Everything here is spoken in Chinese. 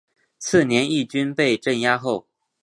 次年义军被镇压后。